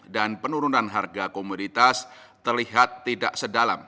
dan penurunan harga komoditas terlihat tidak sedalam